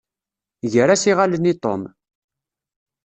Ger-as iɣallen i Tom.